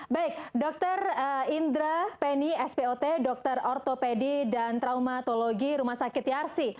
baik dokter indra penny spot dokter ortopedi dan traumatologi rumah sakit yarsi